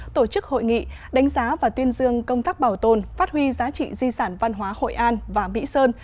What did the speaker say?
tổ chức hội nghị đánh giá và tuyên dương công tác bảo tồn phát huy giá trị di sản văn hóa hội an và mỹ sơn